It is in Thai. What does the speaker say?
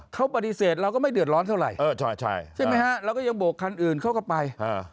เขาปฏิเสธเราก็ไม่เดือดร้อนเท่าไหร่ใช่ไหมฮะเราก็ยังโบกคันอื่นเขาก็ไป